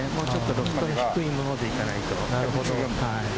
ロフトの低いものでいかないと。